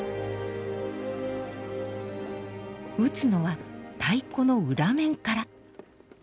打つのは太鼓の裏面から。